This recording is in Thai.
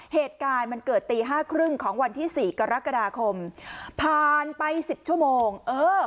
เหตุการณ์มันเกิดตีห้าครึ่งของวันที่สี่กรกฎาคมผ่านไปสิบชั่วโมงเออ